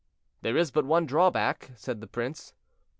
"There is but one drawback," said the prince.